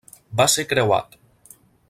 Va ser creuat.